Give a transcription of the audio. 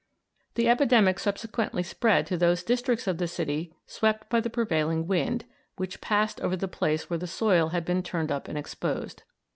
The epidemic subsequently spread to those districts of the city swept by the prevailing wind, which passed over the place where the soil had been turned up and exposed.